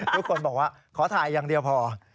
ทุกคนบอกว่าขอถ่ายอย่างเดียวพอ